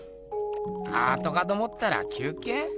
アートかと思ったら休けい？